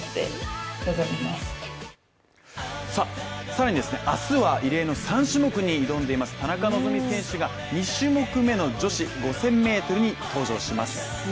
更に明日は異例の３種目に挑んでいます田中希実選手が、２種目めの女子５０００ｍに登場します。